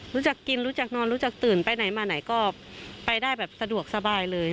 รู้จักกินรู้จักนอนรู้จักตื่นไปไหนมาไหนก็ไปได้แบบสะดวกสบายเลย